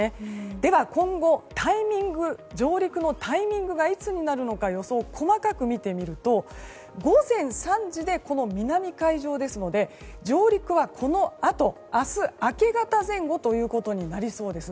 では今後上陸のタイミングがいつになるのか予想を細かく見てみると午前３時で、この南海上ですので上陸はこのあと明日明け方前後となりそうです。